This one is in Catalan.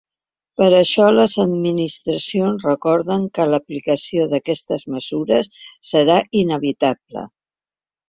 Per això, les administracions recorden que l’aplicació d’aquestes mesures serà inevitable.